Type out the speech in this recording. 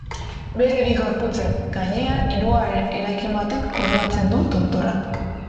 Bere bi gorputzen gainean, hirugarren eraikin batek koroatzen du tontorra.